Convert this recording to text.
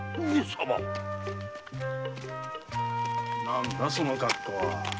何だその格好は。